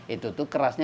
itu tuh kerasnya